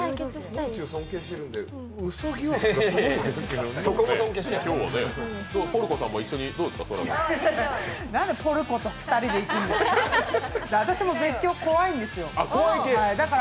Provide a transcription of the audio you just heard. なんでポルコと２人で行くんですか？